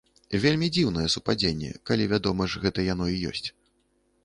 Вельмі дзіўнае супадзенне, калі, вядома ж, гэта яно і ёсць.